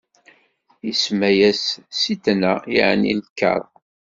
Isemma-yas Sitna, yeɛni lkeṛh.